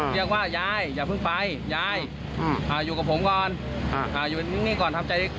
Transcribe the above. เรียกว่ายายอย่าเพิ่งไปยายอยู่กับผมก่อน